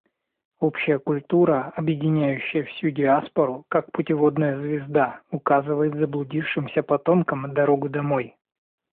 Общая культура, объединяющая всю диаспору, как путеводная звезда, указывает заблудившимся потомкам дорогу домой.